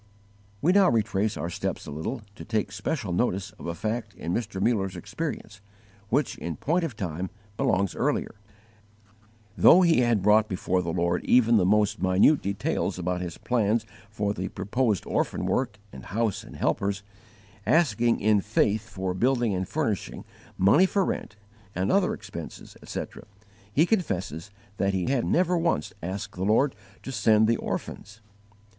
We now retrace our steps a little to take special notice of a fact in Mr. Muller's experience which, in point of time, belongs earlier. Though he had brought before the Lord even the most minute details about his plans for the proposed orphan work and house and helpers, asking in faith for building and furnishing, money for rent and other expenses, etc., he confesses that he had never once asked the Lord to send the orphans!